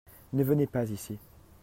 ne venez pas ici.